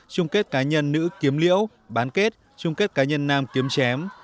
chung kết cá nhân nữ kiếm liễu bán kết chung kết cá nhân nam kiếm chém